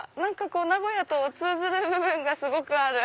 名古屋と通ずる部分がある！